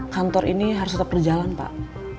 kantor ini harus tetap berjalan pak